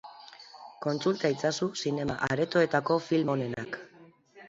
Kontsulta itzazu zinema-aretoetako film onenak.